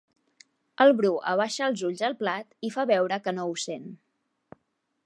El Bru abaixa els ulls al plat i fa veure que no ho sent.